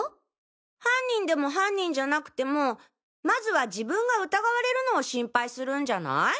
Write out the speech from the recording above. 犯人でも犯人じゃなくてもまずは自分が疑われるのを心配するんじゃない？